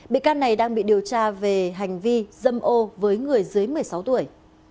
bị can này đang bị điều tra về hành vi dâm ô với người dưới một mươi sáu tuổi